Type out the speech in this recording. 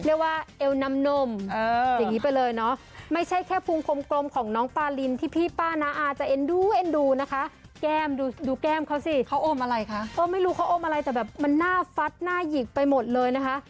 โอ้มอะไรคะเออไม่รู้เค้าโอ้มอะไรแต่แบบมันหน้าฟัดหน้าหยิกไปหมดเลยนะคะ